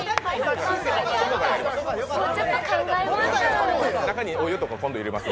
ちょっと考えます。